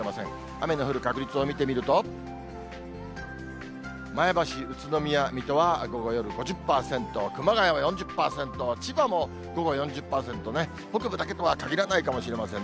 雨の降る確率を見てみると、前橋、宇都宮、水戸は午後、夜５０％、熊谷は４０％、千葉も午後４０％ね、北部だけとはかぎらないかもしれません。